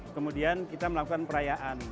kemudian kita melakukan perayaan